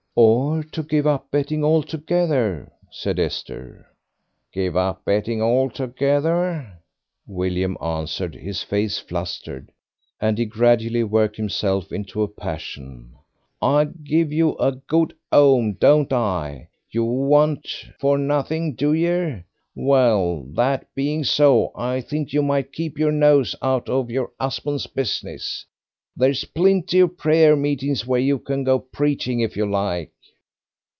"Or to give up betting altogether," said Esther. "Give up betting altogether!" William answered, his face flushed, and he gradually worked himself into a passion. "I give you a good 'ome, don't I? You want for nothing, do yer? Well, that being so, I think you might keep your nose out of your husband's business. There's plenty of prayer meetings where you can go preaching if you like."